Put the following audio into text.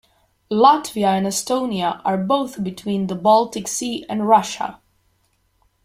Latvia and Estonia are both between the Baltic Sea and Russia.